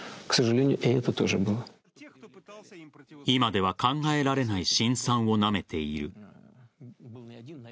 今では考えられない辛酸をなめている。